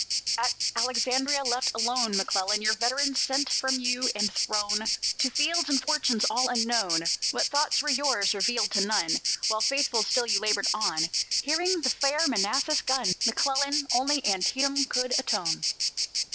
At Alexandria, left alone, McClellan Your veterans sent from you, and thrown To fields and fortunes all unknown What thoughts were yours, revealed to none, While faithful still you labored on Hearing the far Manassas gun! McClellan, Only Antietam could atone.